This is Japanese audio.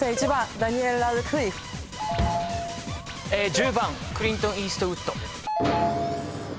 １０番クリント・イーストウッド。